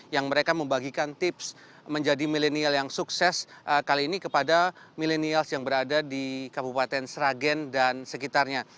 yang mereka membagikan tips menjadi milenial yang sukses kali ini kepada milenials yang berada di kabupaten sragen dan sekitarnya